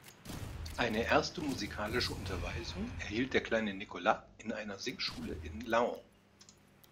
Eine erste musikalische Unterweisung erhielt der kleine Nicolas in einer Singschule in Laon.